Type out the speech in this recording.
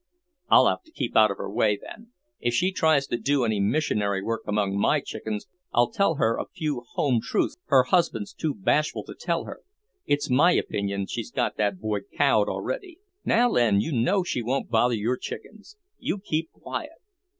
"I'll have to keep out of her way, then. If she tries to do any missionary work among my chickens, I'll tell her a few home truths her husband's too bashful to tell her. It's my opinion she's got that boy cowed already." "Now, Len, you know she won't bother your chickens. You keep quiet.